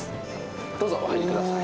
どうぞお入りください。